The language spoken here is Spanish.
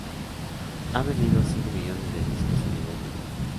Han vendido cinco millones de discos a nivel mundial.